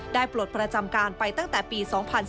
ปลดประจำการไปตั้งแต่ปี๒๔